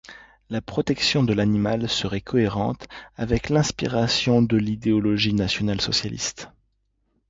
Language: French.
La protection de l'animal serait cohérente avec l'inspiration de l'idéologie nationale-socialiste.